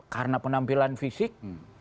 karena penampilan fisik